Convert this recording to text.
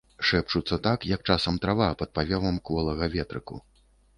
Шэпчуцца так, як часам трава пад павевам кволага ветрыку.